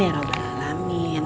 ya allah alhamdulillah